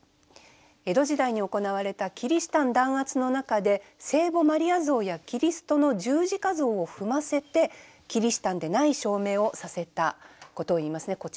江戸時代に行われたキリシタン弾圧の中で聖母マリア像やキリストの十字架像を踏ませてキリシタンでない証明をさせたことをいいますね。